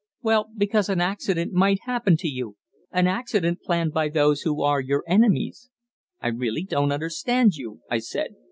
"Well, because an accident might happen to you an accident planned by those who are your enemies." "I really don't understand you," I said.